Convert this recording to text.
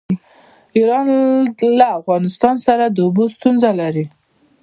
ایران له افغانستان سره د اوبو ستونزه لري.